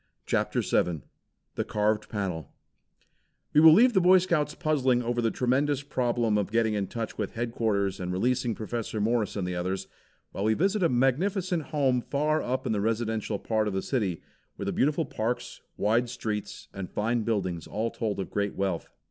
CHAPTER VII THE CARVED PANEL We will leave the Boy Scouts puzzling over the tremendous problem of getting in touch with headquarters and releasing Professor Morris and the others, while we visit a magnificent home far up in the residential part of the city, where the beautiful parks, wide streets and fine buildings all told of great wealth.